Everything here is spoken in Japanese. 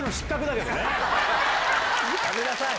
やめなさい！